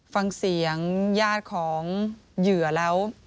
ฟังเสียงญาติของเหยื่อแล้ว